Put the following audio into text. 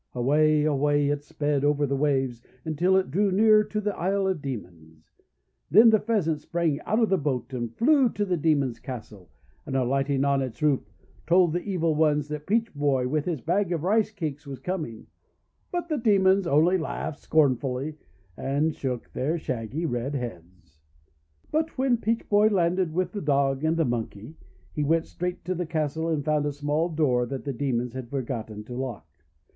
Away! away! it sped over the waves until it drew near to the Isle of Demons. Then the Pheasant sprang out of the boat, and flew to AWAY ! AWAY ! IT SPED OVER THE WAVES PEACH BOY'S RICE CAKES 375 the Demons' castle, and, alighting on its roof, told the evil ones that Peach Boy with his bag of Rice cakes was coming. But the Demons only laughed scornfully and shook their shaggy red heads. But when Peach Boy landed, with the Dog and the Monkey, he went straight to the castle and found a small door that the Demons had for gotten to lock.